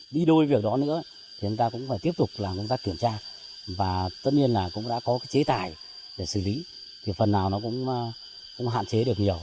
đi đôi việc đó nữa thì chúng ta cũng phải tiếp tục làm công tác kiểm tra và tất nhiên là cũng đã có cái chế tài để xử lý thì phần nào nó cũng hạn chế được nhiều